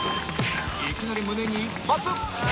いきなり胸に１発